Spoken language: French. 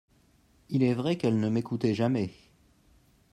Il est vrai qu'elle ne m'écoutait jamais.